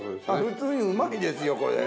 普通にうまいですよこれ。